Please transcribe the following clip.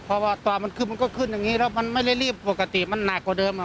เพราะว่าตัวมันขึ้นมันก็ขึ้นอย่างนี้แล้วมันไม่ได้รีบปกติมันหนักกว่าเดิมอ่ะ